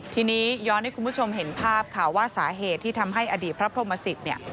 ทีนี้ย้อนให้คุณผู้ชมเห็นภาพค่ะว่าสาเหตุที่ทำให้อดีตพระพรหมสิตเนี่ย